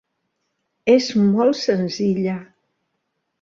És molt senzilla.